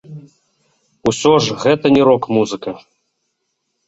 Усё ж, гэта не рок-музыка.